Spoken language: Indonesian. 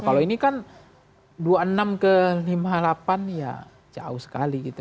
kalau ini kan dua puluh enam ke lima puluh delapan ya jauh sekali gitu